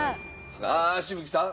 ああ紫吹さん。